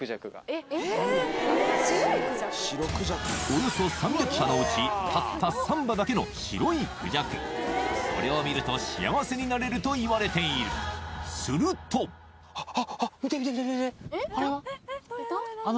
およそ３００羽のうちたった３羽だけの白いクジャクそれを見ると幸せになれるといわれているするとあれは？